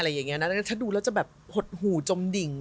อะไรอย่างเงี้ยนะถ้าดูเราจะแบบหดหู่จมดิ่ง